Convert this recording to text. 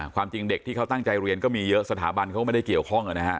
ความจริงเด็กที่เขาตั้งใจเรียนก็มีเยอะสถาบันเขาก็ไม่ได้เกี่ยวข้องนะฮะ